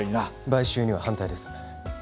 買収には反対です